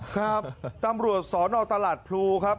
ครับตำรวจสนตลาดพลูครับ